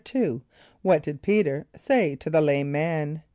= What did P[=e]´t[~e]r say to the lame man?